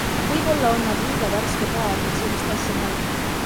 Võib-olla on nad liiga värske paar, et sellist asja mõelda.